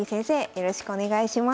よろしくお願いします。